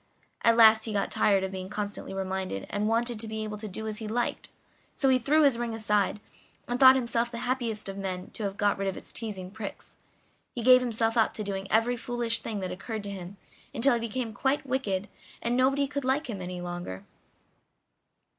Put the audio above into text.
At last he got tired of being constantly reminded, and wanted to be able to do as he liked, so he threw his ring aside, and thought himself the happiest of men to have got rid of its teasing pricks. He gave himself up to doing every foolish thing that occurred to him, until he became quite wicked and nobody could like him any longer.